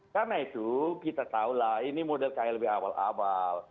karena itu kita tahu lah ini model klb abal abal